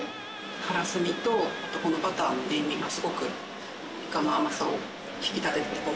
カラスミとあとこのバターの塩味がすごくイカの甘さを引き立ててておいしいです。